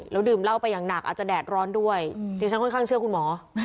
แล้วดื่มเหล้าไปอย่างหนักอาจจะแดดร้อนด้วยที่ฉันค่อนข้างเชื่อคุณหมอ